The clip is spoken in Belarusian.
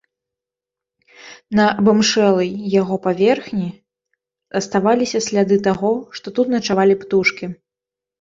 На абымшэлай яго паверхні аставаліся сляды таго, што тут начавалі птушкі.